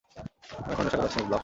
আমি এখনো নেশা করে আছি, মিস ব্লক।